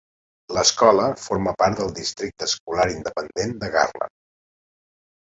L'escola forma part del districte escolar independent de Garland.